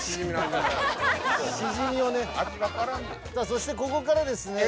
さあそしてここからですね。